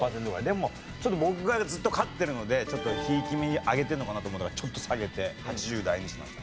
でもちょっと僕がずっと飼ってるのでちょっとひいき目に上げてるのかなと思ったからちょっと下げて８０台にしました。